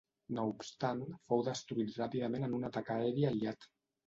No obstant, fou destruït ràpidament en un atac aeri aliat.